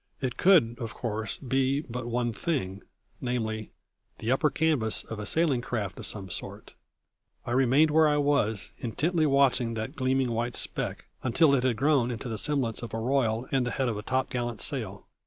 It could, of course, be but one thing, namely, the upper canvas of a sailing craft of some sort. I remained where I was, intently watching that gleaming white speck until it had grown into the semblance of a royal and the head of a topgallant sail.